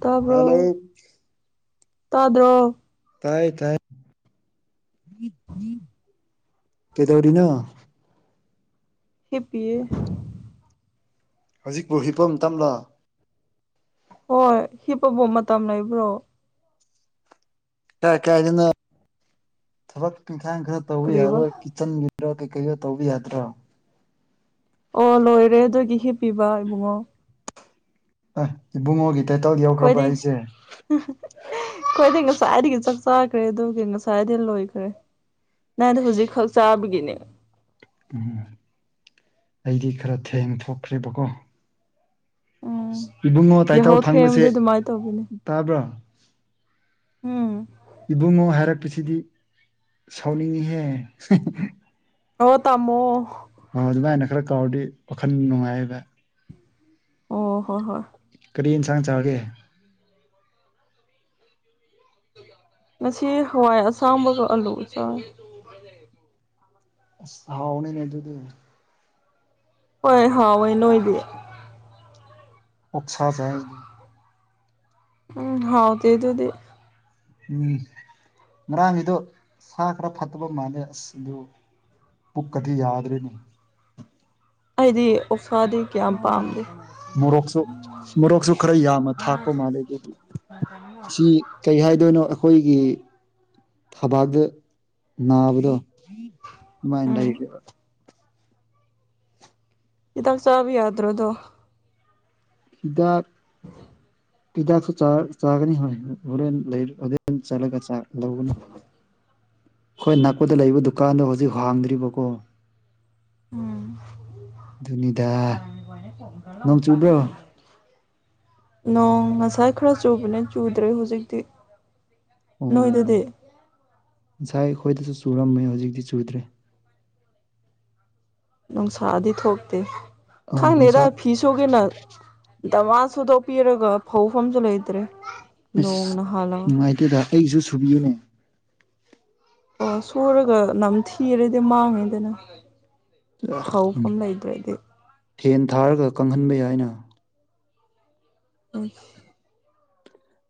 ꯇꯥꯕ꯭ꯔꯣ ꯍꯜꯂꯣ ꯇꯥꯗ꯭ꯔꯣ ꯇꯥꯏ ꯇꯥꯏ ꯀꯩꯗꯧꯔꯤꯅꯣ ꯍꯤꯞꯄꯤꯌꯦ ꯍꯧꯖꯤꯛꯄꯨ ꯍꯤꯞꯄ ꯃꯇꯝꯂꯣ ꯍꯣꯏ ꯍꯤꯞꯄꯕꯨ ꯃꯇꯝ ꯂꯩꯕ꯭ꯔꯣ ꯀꯥꯏ ꯀꯥꯏꯗꯅꯣ ꯊꯕꯛ ꯏꯡꯈꯥꯡ ꯈꯔ ꯇꯧꯕ ꯌꯥꯗ꯭ꯔꯣ ꯀꯔꯤꯕ ꯆꯟꯒꯤꯔꯣ ꯀꯩꯀꯩꯔꯣ ꯇꯧꯕ ꯌꯥꯗ꯭ꯔꯣ ꯑꯣ ꯂꯣꯏꯔꯦ ꯑꯗꯨꯒꯤ ꯍꯤꯞꯄꯤꯕ ꯏꯕꯨꯡꯉꯣ ꯑꯦ ꯏꯕꯨꯡꯉꯣꯒꯤ ꯇꯥꯏꯇꯜ ꯌꯥꯎꯈ꯭ꯔꯕ ꯑꯩꯈꯣꯏꯗꯤ ꯑꯩꯁꯦ ꯑꯩꯈꯣꯏꯗꯤ ꯉꯁꯥꯏꯗꯒꯤ ꯆꯥꯛ ꯆꯥꯈ꯭ꯔꯦ ꯑꯗꯨꯒꯤ ꯉꯁꯥꯏꯗꯩ ꯂꯣꯏꯈ꯭ꯔꯦ ꯅꯪꯗꯤ ꯍꯧꯖꯤꯛ ꯈꯛ ꯆꯥꯕꯒꯤꯅꯦ ꯎꯝ ꯑꯩꯗꯤ ꯈꯔ ꯊꯦꯡ ꯊꯣꯛꯈ꯭ꯔꯦꯕꯀꯣ ꯎꯝ ꯏꯕꯨꯡꯉꯣ ꯇꯥꯏꯇꯥꯜ ꯌꯥꯍꯧ ꯐꯪꯕꯁꯦ ꯊꯦꯡꯕꯗꯤ ꯑꯗꯨꯃꯥꯏꯅ ꯇꯧꯕꯅꯦ ꯇꯥꯕ꯭ꯔꯥ ꯎꯝ ꯏꯕꯨꯡꯉꯣ ꯍꯥꯏꯔꯛꯄꯁꯤꯗꯤ ꯁꯥꯎꯅꯤꯡꯉꯤꯍꯦ ꯍꯦꯍꯦ ꯑꯣ ꯇꯥꯃꯣ ꯑꯣ ꯑꯗꯨꯃꯥꯏꯅ ꯈꯔ ꯀꯥꯎꯔꯗꯤ ꯋꯥꯈꯜ ꯅꯨꯡꯉꯥꯏꯗ ꯑꯣ ꯍꯣꯏ ꯍꯣꯏ ꯀꯔꯤ ꯑꯦꯟꯁꯥꯡ ꯆꯥꯒꯦ ꯉꯁꯤ ꯍꯋꯥꯏ ꯑꯁꯥꯡꯕꯒ ꯑꯥꯂꯨꯒ ꯆꯥꯏ ꯑꯁ ꯍꯥꯎꯅꯤꯅꯦ ꯑꯗꯨꯗꯤ ꯍꯣꯏ ꯍꯥꯎꯋꯦ ꯅꯣꯏꯗꯤ ꯑꯣꯛꯁꯥ ꯆꯥꯏ ꯎꯝ ꯍꯥꯎꯇꯦ ꯑꯗꯨꯗꯤ ꯎꯝ ꯉꯥꯔꯡꯒꯤꯗꯣ ꯁꯥ ꯈꯔ ꯐꯠꯇꯕ ꯃꯥꯜꯂꯦ ꯑꯁ ꯑꯗꯨ ꯄꯨꯛꯀꯗꯤ ꯌꯥꯗ꯭ꯔꯦꯅꯦ ꯑꯩꯗꯤ ꯑꯣꯁꯥꯗꯤ ꯀꯌꯥꯝ ꯄꯥꯝꯗꯦ ꯃꯣꯔꯣꯛꯁꯨ ꯃꯣꯔꯣꯛꯁꯨ ꯈꯔ ꯌꯥꯝꯅ ꯊꯥꯛꯄ ꯃꯥꯜꯂꯦ ꯑꯗꯨꯗꯤ ꯁꯤ ꯀꯩ ꯍꯥꯏꯗꯣꯏꯅꯣ ꯑꯈꯣꯏꯒꯤ ꯊꯕꯥꯛꯇ ꯅꯥꯕꯗꯣ ꯑꯗꯨꯃꯥꯥꯏꯅ ꯎꯝ ꯂꯩꯔꯦꯕ ꯍꯤꯗꯛ ꯆꯥꯕ ꯌꯥꯗ꯭ꯔꯣ ꯑꯗꯣ ꯍꯤꯗꯥꯛ [inaudible] ꯍꯤꯗꯛꯁꯨ ꯆꯥꯔ ꯆꯥꯒꯅꯤ ꯍꯥꯏ ꯍꯣꯔꯦꯟ ꯂꯩꯔꯛꯑꯗꯤ ꯑꯗꯨꯝ ꯆꯥꯂꯒ ꯆꯥꯗꯧꯕꯅꯤ ꯈꯣꯏ ꯅꯥꯛꯄꯗ ꯂꯩꯕ ꯗꯨꯀꯥꯟꯗꯣ ꯍꯧꯖꯤꯛ ꯍꯥꯡꯗ꯭ꯔꯤꯕꯀꯣ ꯎꯝ ꯑꯗꯨꯅꯤꯗꯥ [inaudible] ꯅꯣꯡ ꯉꯁꯥꯏ ꯈꯔ ꯆꯨꯕꯅꯦ ꯆꯨꯗ꯭ꯔꯦ ꯍꯧꯖꯤꯛꯇꯤ ꯑꯣ ꯅꯣꯏꯗꯗꯤ ꯉꯁꯥꯏ ꯑꯩꯈꯣꯏꯗꯁꯨ ꯆꯨꯔꯝꯃꯦ ꯍꯧꯖꯤꯛꯇꯤ ꯆꯨꯗ꯭ꯔꯦ ꯅꯨꯡꯁꯥꯗꯤ ꯊꯣꯛꯇꯦ ꯑꯥ ꯅꯨꯡꯁꯥ ꯈꯪꯗꯦꯗꯥ ꯐꯤꯁꯨꯒꯦꯅ ꯗꯃꯥ ꯁꯨꯗꯣꯛꯄꯤꯔꯒ ꯐꯧ ꯐꯝꯁꯨ ꯂꯩꯇ꯭ꯔꯦ ꯑꯁ ꯅꯣꯡꯅ ꯍꯥꯜꯂꯒ ꯅꯨꯡꯉꯥꯏꯇꯦꯗ ꯑꯩꯖꯨ ꯁꯨꯕꯤꯌꯨꯅꯦ ꯑꯥ ꯁꯨꯔꯒ ꯅꯝꯊꯤꯔꯗꯤ ꯃꯥꯡꯅꯤꯗꯅ ꯑ ꯐꯦꯟ ꯊꯥꯔꯒ ꯀꯪꯍꯟꯕ ꯌꯥꯏꯅ ꯑꯝ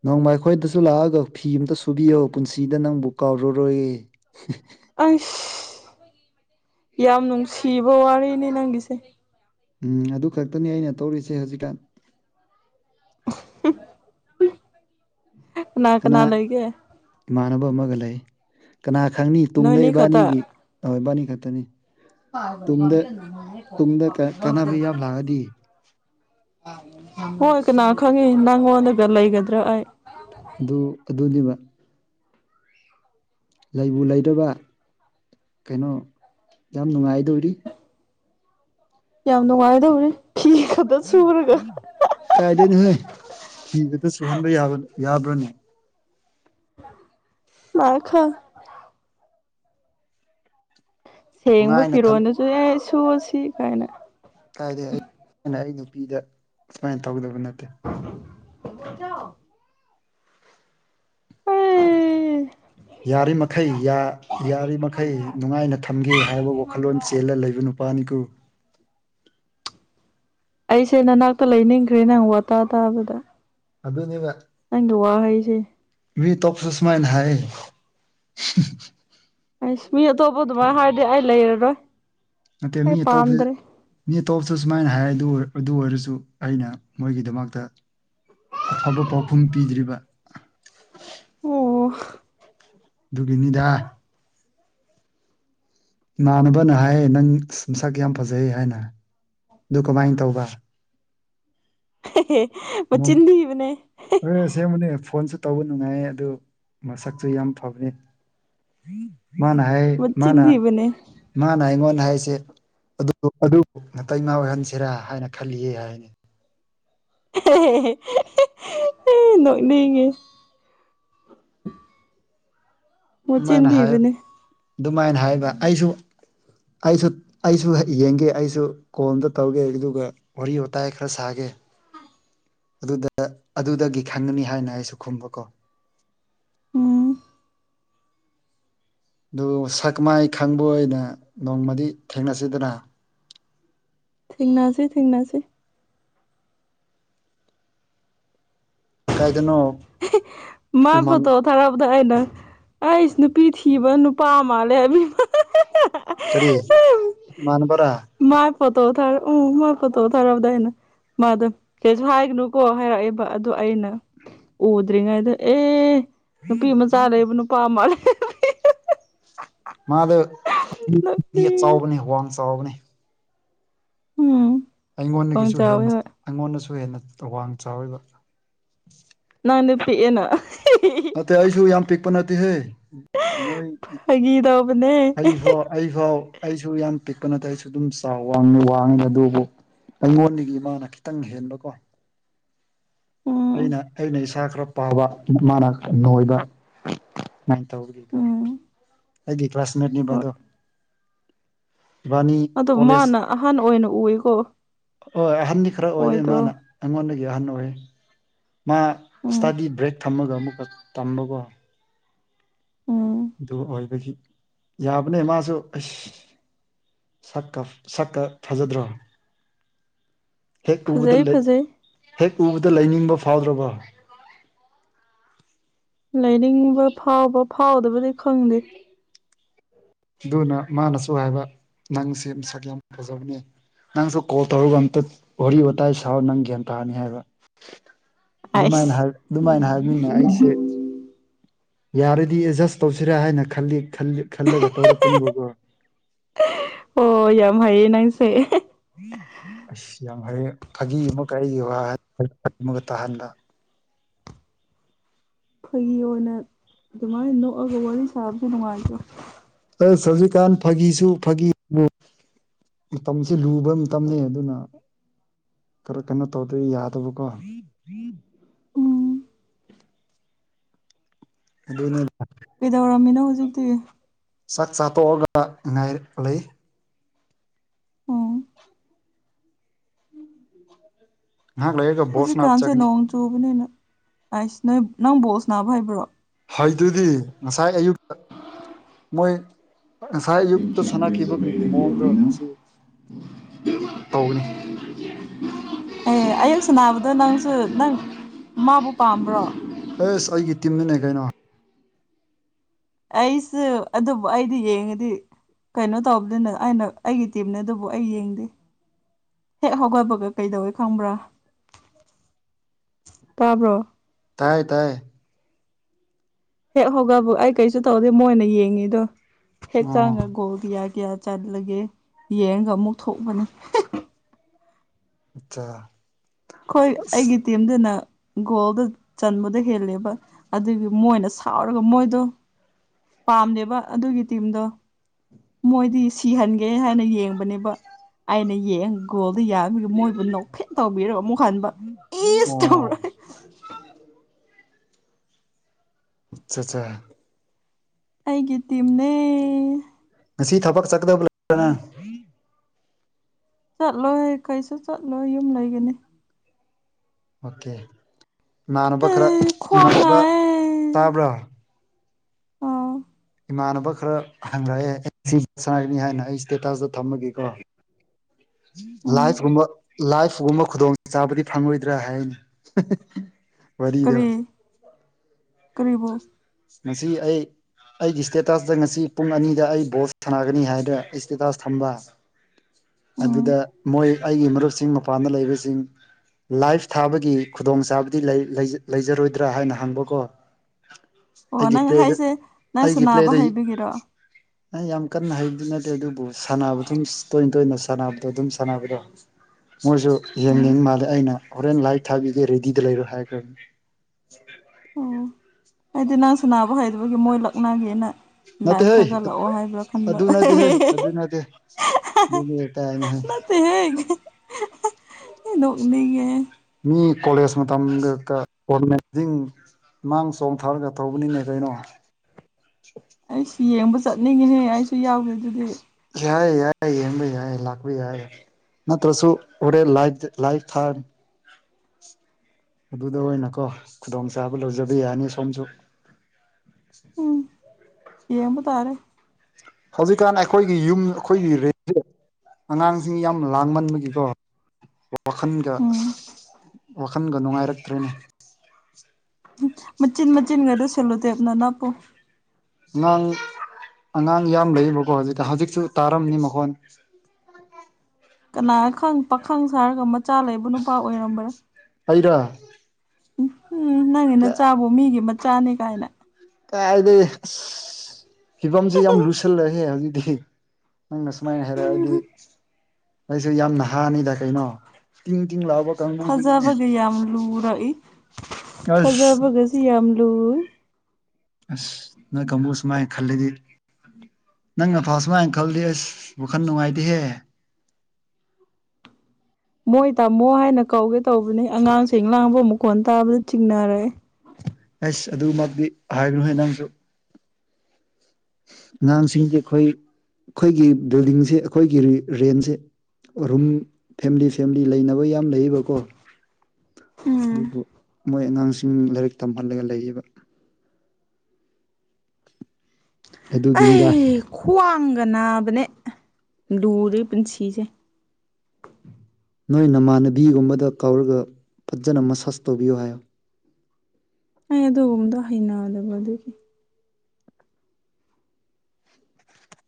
ꯅꯣꯡꯃ ꯑꯩꯈꯣꯏꯗꯁꯨ ꯂꯥꯛꯑꯒ ꯐꯤ ꯑꯝꯇ ꯁꯨꯕꯤꯌꯣ ꯄꯨꯟꯁꯤꯗ ꯅꯪꯕꯨ ꯀꯥꯎꯔꯔꯣꯏꯌꯦ ꯑꯩꯁ ꯌꯥꯝ ꯅꯨꯡꯁꯤꯕ ꯋꯥꯔꯤꯅꯤ ꯅꯪꯒꯤꯁꯦ ꯎꯝ ꯑꯗꯨ ꯈꯛꯇꯅꯤ ꯑꯩꯅ ꯇꯧꯔꯤꯁꯦ ꯍꯧꯖꯤꯛꯀꯥꯟ ꯎꯍꯨꯝ ꯀꯅꯥ ꯀꯅꯥ ꯂꯩꯒꯦ ꯏꯃꯥꯟꯅꯕ ꯑꯃꯒ ꯂꯩ ꯀꯅꯥ ꯈꯪꯅꯤ ꯇꯨꯡꯗ ꯅꯣꯏꯅꯤ ꯈꯛꯇ ꯏꯕꯥꯅꯤꯒꯤ ꯑꯣ ꯏꯕꯥꯅꯤ ꯈꯇꯅꯤ ꯇꯨꯡꯗ ꯀꯥꯟꯅꯕ ꯌꯥꯝ ꯂꯥꯛꯑꯗꯤ [unintelligible] ꯍꯣꯏ ꯀꯅꯥ ꯈꯪꯉꯤ ꯅꯪꯉꯣꯟꯗꯒ ꯂꯩꯒꯗ꯭ꯔ ꯑꯩ ꯑꯗꯨ ꯑꯗꯨꯅꯤꯕ ꯂꯩꯕꯨ ꯂꯩꯗ꯭ꯔꯕ ꯀꯩꯅꯣ ꯌꯥꯝ ꯅꯨꯡꯉꯥꯏꯗꯣꯔꯤ ꯌꯥꯝ ꯅꯨꯡꯉꯥꯏꯗꯧꯔꯤ ꯐꯤ ꯈꯇ ꯁꯨꯔꯒ ꯀꯥꯏꯗꯩꯅꯣꯍꯦ ꯐꯤ ꯈꯇ ꯁꯨꯍꯟꯕ ꯌꯥꯕ ꯌꯥꯕ꯭ꯔꯅꯦ ꯃꯥ ꯈꯪ ꯁꯦꯡꯕ ꯅꯨꯡꯉꯥꯏꯅ ꯊꯝ ꯐꯤꯔꯣꯟꯗꯁꯨꯅꯦ ꯁꯨꯑꯣ ꯁꯤ ꯀꯥꯏꯅ ꯀꯥꯏꯗꯩ ꯑꯩ ꯑꯩꯅ ꯑꯩ ꯅꯨꯄꯤꯗ ꯁꯨꯃꯥꯏꯅ ꯇꯧꯗꯧꯕ ꯅꯠꯇꯦ ꯕꯣꯐꯆꯥꯎ [inaudible] [inaudible] ꯌꯥꯔꯤꯃꯈꯩ ꯌꯥ ꯌꯥꯔꯤ ꯃꯈꯩ ꯅꯨꯡꯉꯥꯏꯅ ꯊꯝꯒꯦ ꯍꯥꯏꯕ ꯋꯥꯈꯜꯂꯣꯟ ꯆꯦꯜꯂ ꯂꯩꯕ ꯅꯨꯄꯥꯅꯤꯀꯣ ꯑꯩꯁꯦ ꯅꯅꯥꯛꯇ ꯂꯩꯅꯤꯡꯈ꯭ꯔꯦ ꯅꯪ ꯋꯥꯇꯥ ꯇꯥꯕꯗ ꯑꯗꯨꯅꯤꯕ ꯅꯪꯒꯤ ꯋꯥꯍꯩꯁꯦ ꯃꯤ ꯑꯇꯣꯞꯄꯁꯨ ꯁꯨꯃꯥꯏꯅ ꯍꯥꯏ ꯑꯩꯁ ꯃꯤ ꯑꯇꯣꯞꯄ ꯑꯗꯨꯃꯥꯏ ꯍꯥꯏꯔꯗꯤ ꯑꯩ ꯂꯩꯔꯔꯣꯏ ꯅꯠꯇꯦ ꯑꯩ ꯃꯤ ꯑꯇꯣꯞꯄ ꯄꯥꯝꯗ꯭ꯔꯦ ꯃꯤ ꯇꯣꯞꯁꯨ ꯁꯨꯃꯥꯏꯅ ꯍꯥꯏꯔ ꯗꯨ ꯑꯗꯨ ꯑꯣꯏꯔꯁꯨ ꯑꯩꯅ ꯃꯣꯏꯒꯤꯗꯃꯛꯇ ꯑꯐꯕ ꯄꯥꯎꯈꯨꯝ ꯄꯤꯗ꯭ꯔꯤꯕ ꯑꯣ ꯑꯗꯨꯒꯤꯅꯤꯗꯥ ꯏꯃꯥꯟꯅꯕꯅ ꯍꯥꯏꯌꯦ ꯅꯪ ꯑꯁ ꯅꯁꯛ ꯌꯥꯝ ꯐꯖꯩ ꯍꯥꯏꯅ ꯑꯗꯨ ꯀꯃꯥꯏꯟ ꯇꯧꯕ ꯍꯦ ꯍꯦ ꯃꯆꯤꯟ ꯊꯤꯕꯅꯦ ꯑꯣꯏ ꯑꯁꯦꯡꯕꯅꯦ ꯐꯣꯟꯁꯨ ꯇꯧꯕ ꯅꯨꯡꯉꯥꯏꯌꯦ ꯑꯗꯨ ꯃꯁꯛꯁꯨ ꯌꯥꯝ ꯐꯕꯅꯦ ꯃꯥꯅ ꯍꯥꯏ ꯃꯆꯤꯟ ꯃꯥꯅ ꯊꯤꯕꯅꯦ ꯃꯥꯅ ꯑꯩꯉꯣꯟꯗ ꯍꯥꯏꯁꯦ ꯑꯗꯨ ꯑꯗꯨ ꯅꯇꯩ ꯅꯥꯎ ꯑꯣꯏꯍꯟꯁꯤꯔꯥ ꯍꯥꯏꯅ ꯈꯜꯂꯤꯌꯦ ꯍꯥꯏꯅꯤ ꯍꯦ ꯍꯦ ꯍꯦ ꯍꯦ ꯍꯦ ꯅꯣꯛꯅꯤꯡꯉꯦ꯫ ꯃꯆꯤꯟ ꯗꯨꯃꯥꯏꯅ ꯍꯥꯏꯌꯦ ꯊꯤꯕꯅꯦ ꯗꯨꯃꯥꯏꯅ ꯍꯥꯏꯕ ꯑꯩꯁꯨ ꯑꯩꯁꯨ ꯑꯩꯁꯨ ꯍ ꯌꯦꯡꯒꯦ ꯑꯩꯁꯨ ꯀꯣꯟꯗ ꯇꯧꯒꯦ ꯑꯗꯨꯒ ꯋꯥꯔꯤ ꯋꯇꯥꯏ ꯈꯔ ꯁꯥꯒꯦ ꯑꯗꯨꯗ ꯑꯗꯨꯗꯒꯤ ꯈꯪꯒꯅꯤ ꯍꯥꯏꯅ ꯑꯩꯁꯨ ꯈꯨꯝꯕꯀꯣ ꯎꯝ ꯗꯨ ꯁꯛ ꯃꯥꯏ ꯈꯪꯕ ꯑꯣꯏꯅ ꯅꯣꯡꯃꯗꯤ ꯊꯦꯡꯅꯁꯤꯗꯅꯥ ꯊꯦꯡꯅꯁꯤ ꯊꯦꯡꯅꯁꯤ ꯀꯥꯏꯗꯅꯣ ꯃꯥ ꯎꯃꯪ ꯐꯣꯇꯣ ꯊꯥꯔꯛꯄꯗꯣ ꯑꯩꯅ ꯑꯩꯁ ꯅꯨꯄꯤ ꯊꯤꯕ ꯅꯨꯄꯥ ꯃꯥꯜꯂꯦ ꯍꯥꯏꯕꯤꯕ ꯍꯦ ꯍꯦ ꯀꯔꯤ ꯏꯃꯥꯟꯅꯕꯔ ꯃꯥꯥꯏ ꯐꯣꯇꯣ ꯊꯥꯔꯛꯎ ꯃꯥꯏ ꯐꯣꯠꯇꯣ ꯊꯕꯗꯏꯅ ꯃꯥꯗꯣ ꯀꯩꯁꯨ ꯍꯥꯏꯒꯅꯨꯀꯣ ꯍꯥꯏꯔꯛꯑꯦꯕ ꯑꯗꯣ ꯑꯩꯅ ꯎꯗ꯭ꯔꯤꯉꯩꯗ ꯑꯦ ꯅꯨꯄꯤ ꯃꯆꯥ ꯂꯩꯕ ꯅꯨꯄꯥ ꯃꯥꯜꯂꯦ ꯃꯥꯗꯣ ꯃꯤ ꯅꯣꯛꯅꯤꯡꯉꯦ ꯑꯆꯥꯎꯕꯅꯦ ꯋꯥꯡ ꯆꯥꯎꯕꯅꯦ ꯎꯝ ꯈꯣꯡ ꯑꯩꯉꯣꯟꯗꯒꯤꯁꯨ ꯆꯥꯎꯋꯦ ꯍꯦꯟꯅ ꯍꯣꯏ ꯑꯩꯉꯣꯟꯗꯁꯨ ꯍꯦꯟꯅ ꯇ ꯋꯥꯡ ꯆꯥꯎꯋꯦꯕ ꯅꯪꯗꯤ ꯄꯤꯛꯑꯦꯅ ꯑꯍꯤꯍꯤꯍꯤ ꯅꯠꯇꯦ ꯑꯩꯁꯨ ꯌꯥꯝ ꯄꯤꯛꯄ ꯅꯠꯇꯦ ꯍꯦ ꯐꯥꯒꯤ ꯇꯧꯕꯅꯦ ꯑꯩꯐꯥꯎ ꯑꯩꯐꯥꯎ ꯑꯩꯁꯨ ꯌꯥꯝ ꯄꯤꯛꯄ ꯅꯠꯇꯦ ꯑꯩꯁꯨ ꯗꯨꯝ ꯆꯥꯎꯋꯥꯡ ꯋꯥꯡꯉꯤ ꯑꯗꯨꯕꯨ ꯑꯩꯉꯣꯟꯗꯒꯤ ꯃꯥꯅ ꯈꯤꯇꯪ ꯍꯦꯟꯕꯀꯣ ꯎꯝ ꯑꯩꯅ ꯑꯩꯅ ꯏꯁꯥ ꯈꯔ ꯄꯥꯕ ꯃꯥꯅ ꯈꯔ ꯅꯣꯏꯕ ꯃꯥꯏꯟ ꯇꯧꯕꯒꯤꯗꯣ ꯎꯝ ꯑꯩꯒꯤ ꯍꯣꯏ ꯀ꯭ꯂꯥꯁꯃꯦꯠꯅꯤꯕꯗꯣ ꯑꯗꯣ ꯃꯥꯅ ꯑꯍꯟ ꯑꯣꯏꯅ ꯎꯏꯀꯣ ꯍꯣꯏ ꯑꯍꯟꯗꯤ ꯈꯔ ꯑꯣꯏꯔꯦ ꯃꯥꯅ ꯑꯣꯏꯗ꯭ꯔꯣ ꯑꯩꯉꯣꯟꯗꯒꯤ ꯑꯍꯟ ꯑꯣꯏ ꯃꯥ ꯎꯝ ꯏꯁꯇꯥꯗꯤ ꯕ꯭ꯔꯦꯛ ꯊꯝꯃꯒ ꯑꯃꯨꯛꯀ ꯇꯝꯕꯀꯣ ꯎꯝ ꯗꯨ ꯑꯣꯏꯕꯒꯤ ꯌꯥꯕꯅꯦ ꯃꯥꯖꯨ ꯑꯁ ꯁꯛꯀ ꯁꯛꯀ ꯐꯥꯖꯗ꯭ꯔꯣ ꯍꯦꯛ ꯎꯕꯗ ꯐꯖꯩ ꯂꯩ ꯐꯖꯩ ꯍꯦꯛ ꯎꯕꯗ ꯂꯩꯅꯤꯡꯕ ꯐꯥꯎꯗ꯭ꯔꯕꯣ ꯂꯩꯅꯤꯡꯕ ꯐꯥꯎꯕ ꯐꯥꯎꯗꯕꯗꯤ ꯈꯪꯗꯦ ꯗꯨꯅ ꯃꯥꯅꯁꯨ ꯍꯥꯏꯕ ꯅꯪꯁꯦ ꯃꯁꯛ ꯌꯥꯝ ꯐꯖꯕꯅꯦ ꯅꯪꯁꯨ ꯀꯣꯜ ꯇꯧꯔꯒ ꯑꯝꯇ ꯋꯥꯔꯤ ꯋꯥꯇꯥꯏ ꯁꯥꯎ ꯅꯪ ꯒ꯭ꯌꯥꯟ ꯇꯥꯅꯤ ꯍꯥꯏꯕ ꯗꯨꯃꯥꯏꯅ ꯑꯥꯏꯁ ꯍꯥꯏ ꯑꯗꯨꯃꯥꯏꯅ ꯍꯥꯏꯕꯅꯤꯅ ꯑꯩꯁꯦ ꯌꯥꯔꯗꯤ ꯑꯦꯖꯁ ꯇꯧꯁꯤꯔꯥ ꯍꯥꯏꯅ ꯈꯜꯂꯤ ꯈꯜ ꯈꯜꯂꯒꯥ ꯇꯧꯔꯛꯄꯅꯦꯕꯀꯣ ꯑꯣ ꯌꯥꯝ ꯍꯩꯌꯦ ꯅꯪꯁꯦ ꯑꯁ ꯌꯥꯝ ꯍꯩꯌꯦ ꯐꯥꯒꯤ ꯑꯃꯨꯛꯀ ꯑꯩꯒꯤ ꯋꯥ ꯍꯩ [unintelligible] ꯑꯃꯨꯛꯀ ꯇꯥꯍꯟꯕ ꯐꯒꯤ ꯑꯣꯏꯅ ꯗꯨꯃꯥꯏꯅ ꯅꯣꯛꯑꯒ ꯋꯥꯔꯤ ꯁꯥꯕꯁꯦ ꯅꯨꯡꯉꯥꯏꯇ꯭ꯔꯣ ꯑꯁ ꯍꯧꯖꯤꯛꯀꯥꯟ ꯐꯥꯒꯤꯁꯨ ꯐꯥꯒꯤꯕꯨ ꯃꯇꯝꯁꯦ ꯂꯨꯕ ꯃꯇꯝꯅꯦ ꯑꯗꯨꯅ ꯈꯔ ꯀꯩꯅꯣ ꯇꯧꯗ ꯌꯥꯗꯕꯀꯣ ꯎꯝ ꯑꯗꯨꯅꯦꯅ ꯀꯩꯗꯧꯔꯝꯃꯤꯅꯣ ꯍꯧꯖꯤꯛꯇꯤ ꯆꯥꯛ ꯆꯥꯇꯣꯛꯑꯒ ꯉꯥꯏꯔ ꯂꯩ ꯑꯣ ꯉꯍꯛ ꯂꯩꯔ ꯍꯧꯖꯤꯛꯀꯥꯟꯁꯦ ꯅꯣꯡ ꯆꯨꯕꯅꯤꯅ ꯑꯥꯏꯁ ꯅꯣꯏ ꯅꯪ ꯕꯣꯜ ꯁꯅꯥꯕ ꯍꯩꯕ꯭ꯔꯣ ꯍꯩꯇ꯭ꯔꯗꯤ ꯉꯁꯥꯏ ꯑꯌꯨꯛꯇ ꯃꯣꯏ ꯉꯁꯥꯏ ꯑꯌꯨꯛꯇ ꯁꯥꯟꯅꯈꯤꯕ ꯕꯤꯠ ꯃꯋꯣꯡꯗꯣ ꯉꯁꯤ ꯇꯧꯒꯅꯤ ꯑꯦ ꯑꯌꯨꯛ ꯁꯟꯅꯕꯗꯣ ꯅꯪꯁꯨ ꯅꯪ ꯃꯥꯕꯨ ꯄꯥꯝꯕ꯭ꯔꯣ ꯑꯦꯁ ꯑꯩꯒꯤ ꯇꯤꯝꯅꯤꯅꯦ ꯀꯩꯅꯣ ꯑꯩꯁꯨ ꯑꯗꯨꯕꯨ ꯑꯩꯗꯤ ꯌꯦꯡꯉꯗꯤ ꯀꯩꯅꯣ ꯇꯧꯕꯅꯤꯅ ꯑꯩꯅ ꯑꯩꯒꯤ ꯇꯤꯝꯅꯦ ꯑꯗꯨꯕꯨ ꯑꯩ ꯌꯦꯡꯗꯦ ꯍꯦꯛ ꯍꯧꯒꯠꯄꯒ ꯀꯩꯗꯧꯋꯦ ꯈꯪꯕ꯭ꯔꯥ ꯇꯥꯕ꯭ꯔꯣ ꯇꯥꯏ ꯇꯥꯏ ꯍꯦꯛ ꯍꯧꯒꯠꯕ ꯑꯩ ꯀꯩꯁꯨ ꯇꯧꯗꯦ ꯃꯣꯏꯅ ꯌꯦꯡꯉꯤꯗꯣ ꯍꯦꯛ ꯆꯪꯉ ꯑꯣ ꯒꯣꯜꯒꯤꯌꯥ ꯒꯤꯌꯥ ꯆꯜꯂꯒꯦ ꯌꯦꯡꯉꯒ ꯑꯃꯨꯛ ꯊꯣꯛꯄꯅꯦ ꯍꯦ ꯑꯆꯥ ꯈꯣꯏ ꯑꯩꯒꯤ ꯇꯤꯝꯗꯨꯅ ꯒꯣꯜꯗꯨ ꯆꯟꯕꯗꯣ ꯍꯦꯜꯂꯦꯕ ꯑꯗꯨꯒꯤ ꯃꯣꯏꯅ ꯁꯥꯎꯔꯒ ꯃꯣꯏꯗꯣ ꯄꯥꯝꯗꯦꯕꯥ ꯑꯗꯨꯒꯤ ꯇꯤꯝꯗꯣ ꯃꯣꯏꯗꯤ ꯁꯤꯍꯟꯒꯦ ꯍꯥꯏꯅ ꯌꯦꯡꯕꯅꯦꯕ ꯑꯩꯅ ꯌꯦꯡ ꯒꯣꯜꯗ ꯌꯥ ꯌꯨ ꯃꯣꯏꯕꯨ ꯅꯣꯛꯐꯦꯠ ꯇꯧꯕꯤꯔ ꯑꯃꯨꯛ ꯍꯟꯕ ꯏꯁ ꯇꯧꯔ ꯑꯣ ꯑꯆ ꯆꯥ ꯑꯩꯒꯤ ꯇꯤꯝꯅꯦ ꯉꯁꯤ ꯊꯕꯛ ꯆꯠꯀꯕ ꯂꯩꯕ ꯅꯪ ꯆꯠꯂꯣꯏ ꯀꯩꯁꯨ ꯆꯠꯂꯣꯏ ꯌꯨꯝ ꯂꯩꯒꯅꯤ ꯑꯣꯀꯦ ꯏꯃꯥꯟꯅꯕ ꯈꯔ ꯈ꯭ꯋꯥꯡ ꯏꯃꯥꯟꯅꯕ ꯅꯥꯏꯌꯦ ꯇꯥꯕ꯭ꯔ ꯑꯥ ꯏꯃꯥꯟꯅꯕ ꯈꯔ ꯍꯪꯔꯛꯑꯦ ꯑꯦ ꯁꯤ ꯁꯥꯏꯅꯤ ꯍꯥꯏꯅ ꯑꯩ ꯏꯁꯇꯦꯇꯁꯇ ꯊꯝꯃꯒꯦꯀꯣ ꯎꯝ ꯂꯥꯏꯐ ꯀꯨꯝꯕ ꯂꯥꯏꯐꯒꯨꯝꯕ ꯈꯨꯗꯣꯡ ꯆꯥꯕꯗꯤ ꯐꯪꯔꯣꯏꯗ꯭ꯔꯥ ꯍꯥꯏꯅꯤ ꯍ ꯍ ꯋꯥꯔꯤꯗꯣ ꯀꯔꯤꯕꯣ ꯉꯁꯤ ꯑꯩ ꯑꯩꯒꯤ ꯏꯁꯇꯦꯇꯁꯗ ꯉꯁꯤ ꯄꯨꯡ ꯑꯅꯤꯗ ꯑꯩ ꯕꯣꯜ ꯁꯥꯟꯅꯒꯅꯤ ꯍꯥꯏꯗ꯭ꯔ ꯑꯩ ꯏꯁꯇꯦꯇꯥꯁ ꯊꯝꯕ ꯎꯝ ꯑꯗꯨꯗ ꯃꯣꯏ ꯑꯩꯒꯤ ꯃꯔꯨꯞꯁꯤꯡ ꯃꯄꯥꯟꯗ ꯂꯩꯕꯁꯤꯡ ꯂꯥꯏꯐ ꯊꯥꯕꯒꯤ ꯈꯨꯗꯣꯡꯆꯥꯥꯕꯗꯤ ꯂꯩ ꯂꯩ ꯂꯩꯖꯔꯣꯏꯗ꯭ꯔ ꯍꯥꯏꯅ ꯍꯪꯕꯀꯣ ꯑꯣ ꯑꯩꯒꯤ ꯅꯪ ꯄ꯭ꯂꯦꯗ ꯍꯥꯏꯁꯦ ꯅꯪ ꯑꯩꯒꯤ ꯁꯅꯥꯕ ꯄ꯭ꯂꯦꯗꯩ ꯍꯩꯕꯒꯤꯔꯣ ꯑꯩ ꯌꯥꯝ ꯀꯟꯅ ꯍꯩꯕꯗꯤ ꯅꯠꯇꯦ ꯑꯗꯨꯕꯨ ꯁꯥꯟꯅꯕ ꯑꯗꯨꯝ ꯇꯣꯏꯅ ꯇꯣꯏꯅ ꯁꯥꯟꯅꯕꯗꯣ ꯑꯗꯨꯝ ꯁꯥꯟꯅꯕꯗꯣ ꯃꯣꯏꯖꯨ ꯌꯦꯡꯅꯤꯡ ꯎꯝ ꯃꯥꯜꯂꯦ ꯑꯩꯅ ꯍꯣꯔꯦꯟ ꯂꯥꯏꯚ ꯊꯥꯕꯤꯒꯦ ꯔꯦꯗꯤꯗ ꯂꯩꯔꯣ ꯍꯥꯏꯈ꯭ꯔꯕꯅꯤ ꯑꯣ ꯑꯩꯗꯤ ꯅꯪ ꯁꯥꯟꯅꯕ ꯍꯩꯗꯕꯒꯤ ꯃꯣꯏ ꯂꯛꯅꯒꯦꯅ ꯂꯥꯏꯐ ꯅꯠꯇꯦꯍꯦ ꯊꯥꯒꯠꯂꯛꯑꯣ ꯍꯥꯏꯕ꯭ꯔ ꯈꯟꯕ ꯑꯗꯨ ꯑꯍꯦ ꯅꯠꯇꯦꯍꯦ ꯍꯦ ꯍꯦ ꯑꯗꯨ ꯅꯠꯇꯦ ꯍ ꯍ ꯑꯗꯨꯅꯦ ꯀꯥꯏꯅ ꯍꯥꯏ ꯅꯠꯇꯦꯍꯦ ꯍꯦ ꯍꯦ ꯅꯣꯛꯅꯤꯡꯉꯦꯍꯦ ꯃꯤ ꯀꯣꯂꯦꯖ ꯃꯇꯝꯗꯀ [unintelligible] ꯃꯥꯡ ꯆꯣꯡꯊꯔꯒ ꯇꯧꯕꯅꯤꯅꯦ ꯀꯩꯅꯣ ꯑꯩꯁꯨ ꯌꯦꯡꯕ ꯆꯠꯅꯤꯡꯉꯦꯍꯦ ꯑꯩꯁꯨ ꯌꯥꯎꯒꯦ ꯑꯗꯨꯗꯤ ꯌꯥꯏ ꯌꯥꯏ ꯌꯦꯡꯕ ꯌꯥꯏ ꯂꯥꯛꯄ ꯌꯥꯏ ꯅꯠꯇ꯭ꯔꯁꯨ ꯍꯣꯔꯦꯟ ꯂꯥꯏꯐꯗ ꯂꯥꯏꯐ ꯊꯥꯅꯤ ꯑꯗꯨꯗ ꯑꯣꯏꯅꯀꯣ ꯈꯨꯗꯣꯡꯆꯥꯥꯕ ꯂꯧꯖꯕ ꯌꯥꯅꯤ ꯁꯣꯝꯖꯨ ꯎꯝ ꯌꯦꯡꯕ ꯇꯥꯔꯦ ꯍꯧꯖꯤꯛꯀꯥꯟ ꯑꯩꯈꯣꯏꯒꯤ ꯌꯨꯝ ꯑꯈꯣꯏꯒꯤ [unintelligible] ꯑꯉꯥꯡꯖꯤꯡ ꯌꯥꯝ ꯂꯥꯡꯃꯟꯕꯒꯤꯀꯣ ꯋꯥꯈꯟꯒ ꯎꯝ ꯑꯁ ꯋꯥꯈꯟꯒ ꯅꯨꯡꯉꯥꯏꯔꯛꯇ꯭ꯔꯦꯅꯦ ꯃꯆꯤꯟ ꯃꯆꯤꯟꯒꯗꯣ ꯁꯦꯂꯣꯇꯦꯞꯅ ꯅꯞꯄꯣ ꯅꯪ ꯑꯉꯥꯡ ꯌꯥꯝ ꯂꯩꯌꯦꯕꯀꯣ ꯍꯧꯖꯤꯛꯇ ꯍꯧꯖꯤꯛꯁꯨ ꯇꯥꯔꯝꯅꯤ ꯃꯈꯣꯟ ꯀꯅꯥꯅ ꯈꯪ ꯄꯥꯈꯪ ꯁꯥꯔꯒ ꯃꯆꯥ ꯂꯩꯕ ꯅꯨꯄꯥ ꯑꯣꯏꯔꯝꯕꯔ ꯑꯩꯔꯣ ꯎ ꯍꯨꯝ ꯅꯪꯒꯤ ꯅꯆꯥꯕꯨ ꯃꯤꯒꯤ ꯃꯆꯥꯅꯤ ꯀꯥꯏꯅ ꯀꯥꯏꯗꯩ ꯑꯁ ꯐꯤꯕꯝꯖꯦ ꯌꯥꯝ ꯂꯨꯁꯜꯂꯦꯍꯦ ꯍꯧꯖꯤꯛꯇꯤ ꯅꯪꯅ ꯁꯨꯃꯥꯏꯅ ꯍꯥꯏꯔꯛꯑꯗꯤ ꯑꯩꯖꯨ ꯌꯥꯝ ꯅꯍꯥꯅꯤꯗ ꯀꯩꯅꯣ ꯇꯤꯡ ꯇꯤꯡ ꯂꯥꯎꯕ ꯀꯥꯡꯕꯨꯗꯨꯅꯤꯅꯦ ꯊꯥꯖꯕꯒ ꯌꯥꯝ ꯂꯨꯔꯛꯏ ꯑꯁ ꯊꯥꯖꯕꯒꯖꯤ ꯌꯥꯝ ꯂꯨꯏ ꯑꯁ ꯅꯣꯏ ꯀꯥꯡꯕꯨꯨ ꯁꯨꯃꯥꯏ ꯈꯜꯂꯗꯤ ꯅꯪꯅꯐꯥꯎ ꯁꯨꯃꯥꯏꯟ ꯈꯜꯗꯤ ꯑꯁ ꯋꯥꯈꯜ ꯅꯨꯡꯉꯥꯏꯇꯦꯍꯦ ꯃꯣꯏ ꯇꯥꯃꯣ ꯍꯥꯏꯅ ꯀꯧꯒꯦ ꯇꯧꯕꯅꯦ ꯑꯉꯥꯡꯁꯤꯡ ꯂꯥꯡꯕ ꯃꯈꯣꯟ ꯇꯥꯕꯗ ꯆꯤꯡꯅꯔꯑꯦ ꯑꯩꯁ ꯑꯗꯨꯃꯛꯇꯤ ꯍꯥꯏꯒꯅꯨꯍꯦ ꯅꯪꯁꯨ ꯑꯉꯥꯡꯁꯤꯡꯗꯤ ꯈꯣꯏ ꯈꯣꯏꯒꯤ ꯕꯤꯜꯗꯤꯡꯖꯦ ꯑꯈꯣꯏꯒꯤ ꯔꯦ ꯔꯦꯟꯖꯦ ꯔꯨꯝ ꯐꯦꯝꯂꯤ ꯐꯦꯝꯂꯤ ꯂꯩꯅꯕ ꯌꯥꯝ ꯂꯩꯌꯦꯕꯀꯣ ꯎꯝ ꯗꯨꯕꯨ ꯃꯣꯏ ꯑꯉꯥꯡꯁꯤꯡ ꯂꯥꯏꯔꯤꯛ ꯇꯝꯍꯜꯂꯒ ꯂꯩꯌꯦꯕ ꯑꯗꯨꯒꯤꯅꯤꯗꯥ ꯑꯦ ꯈ꯭ꯋꯥꯡꯒ ꯅꯥꯕꯅꯦ ꯂꯨꯔꯦ ꯄꯨꯟꯁꯤꯁꯦ ꯅꯣꯏ ꯅꯃꯥꯟꯅꯕꯤꯒꯨꯝꯕꯗ ꯀꯧꯔꯒ ꯐꯖꯅ ꯃꯁꯥꯁ ꯇꯧꯕꯤꯌꯣ ꯍꯥꯏꯌꯣ ꯑꯩ ꯑꯗꯨꯒꯨꯝꯕꯗꯣ ꯍꯩꯅꯗꯕ ꯑꯗꯨꯒꯤ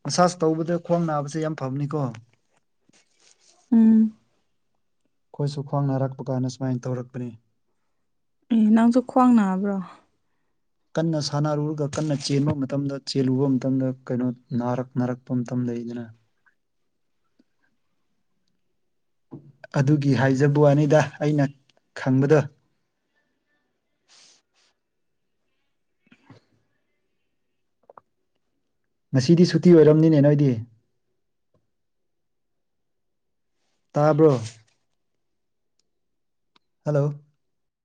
ꯃꯁꯥꯥꯁ ꯇꯧꯕꯗ ꯈ꯭ꯋꯥꯡ ꯅꯥꯕꯁꯦ ꯌꯥꯝ ꯐꯕꯅꯤꯀꯣ ꯎꯝ ꯑꯈꯣꯏꯁꯨ ꯈ꯭ꯋꯥꯡ ꯅꯥꯔꯛꯄꯀꯥꯟꯗ ꯁꯨꯃꯥꯏꯅ ꯇꯧꯔꯛꯄꯅꯦ ꯑꯦ ꯅꯪꯁꯨ ꯈ꯭ꯋꯥꯡ ꯅꯥꯕ꯭ꯔꯣ ꯀꯟꯅ ꯁꯥꯟꯅꯔꯨꯔꯒ ꯀꯟꯅ ꯆꯦꯟꯕ ꯃꯇꯝꯗ ꯆꯦꯜꯂꯨꯕ ꯃꯇꯝꯗ ꯀꯩꯅꯣ ꯅꯥꯔꯛ ꯅꯥꯔꯛꯄ ꯃꯇꯝ ꯂꯩꯗꯅ ꯑꯗꯨꯒꯤ ꯍꯥꯏꯖꯕ ꯋꯥꯅꯤꯗ ꯑꯩꯅ ꯈꯪꯕꯗꯣ ꯉꯁꯤꯗꯤ ꯁꯨꯇꯤ ꯑꯣꯏꯔꯝꯅꯤꯅꯦ ꯅꯣꯏꯗꯤ ꯇꯥꯕ꯭ꯔꯣ ꯍꯜꯂꯣ